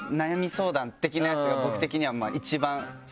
相談的なやつが僕的には。